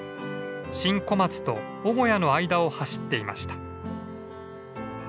新小松と尾小屋の間を走っていました。